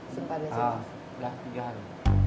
sudah tiga hari